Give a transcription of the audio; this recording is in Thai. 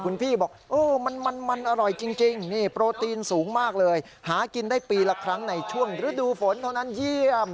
คุณพี่บอกโอ้มันอร่อยจริงนี่โปรตีนสูงมากเลยหากินได้ปีละครั้งในช่วงฤดูฝนเท่านั้นเยี่ยม